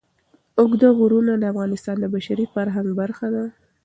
اوږده غرونه د افغانستان د بشري فرهنګ برخه ده.